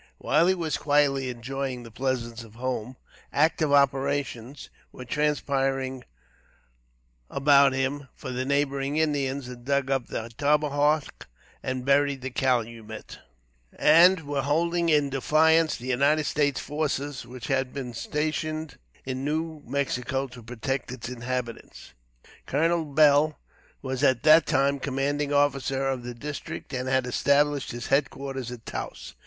While he was quietly enjoying the pleasures of home, active operations were transpiring about him, for the neighboring Indians had dug up the tomahawk and buried the calumet, and were holding in defiance the United States forces, which had been stationed in New Mexico to protect its inhabitants. Colonel Beall was at that time commanding officer of the district, and had established his head quarters at Taos.